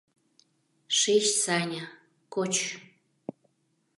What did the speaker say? — Шич, Саня, коч.